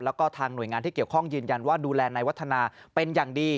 แล้วก็ทางหน่วยงานที่เกี่ยวข้องยืนยันว่าดูแลนายวัฒนาเป็นอย่างดี